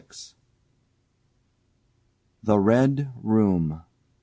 THE RED ROOM.